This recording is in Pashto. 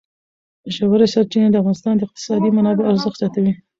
ژورې سرچینې د افغانستان د اقتصادي منابعو ارزښت زیاتوي.